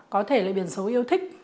có thể là biển số yêu thích